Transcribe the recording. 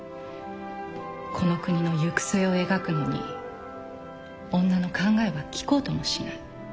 この国の行く末を描くのに女の考えは聞こうともしない。